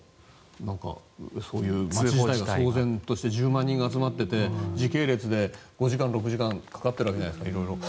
街自体が騒然として１０万人が集まっていて時系列で５時間、６時間かかっているわけじゃないですか。